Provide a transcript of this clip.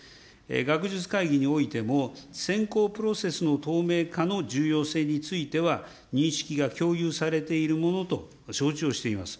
学術会議においても、選考プロセスの透明化の重要性については、認識が共有されているものと承知をしています。